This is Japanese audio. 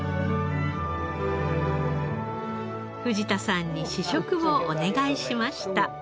藤田さんに試食をお願いしました。